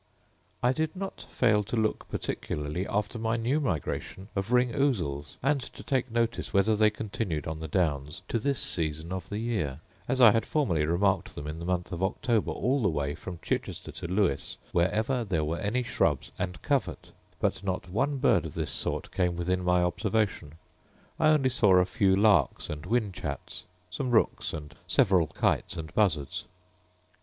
I did not fail to look particularly after my new migration of ring ousels; and to take notice whether they continued on the downs to this season of the year; as I had formerly remarked them in the month of October all the way from Chichester to Lewes wherever there were any shrubs and covert: but not one bird of this sort came within my observation. I only saw a few larks and whin chats, some rooks, and several kites and buzzards.